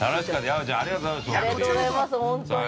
山ちゃんありがとうございます、本当に。